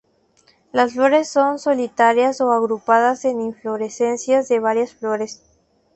Las flores son solitarias o agrupadas en inflorescencias de varias flores.